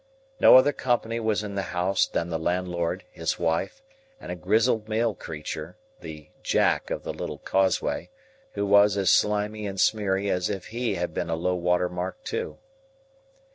No other company was in the house than the landlord, his wife, and a grizzled male creature, the "Jack" of the little causeway, who was as slimy and smeary as if he had been low water mark too.